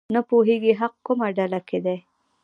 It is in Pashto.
نه پوهېږي حق کومه ډله کې دی.